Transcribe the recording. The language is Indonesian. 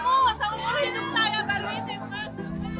baru ini ketemu selama umur hidup saya baru ini